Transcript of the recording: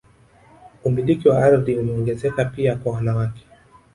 Umiliki wa ardhi umeongezeka pia kwa wanawake